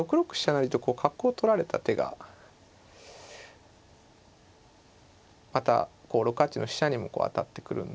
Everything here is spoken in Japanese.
成と角を取られた手がまた６八の飛車にも当たってくるんで。